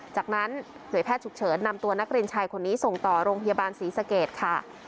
จากนั้นหน่วยแพทย์ฉุกเฉินนำตัวนักเรียนชายคนนี้ส่งต่อโรงพยาบาลศรีสเกตค่ะ